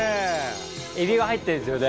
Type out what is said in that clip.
エビが入ってんですよね。